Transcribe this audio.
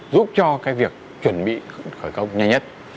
giúp cho cái việc chuẩn bị khởi công nhanh nhất